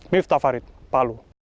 miftah farid palu